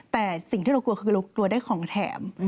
แต่สิ่งที่เรากลัวคือเรากลัวได้ของแถม